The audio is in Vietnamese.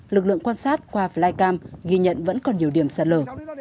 lực lượng quan sát qua flycam ghi nhận vẫn còn nhiều điểm sạt lở